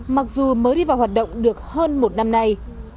mặc dù mới đi vào hoạt động được hơn một năm nay